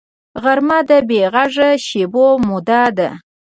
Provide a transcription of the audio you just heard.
غرمه د بېغږه شېبو موده ده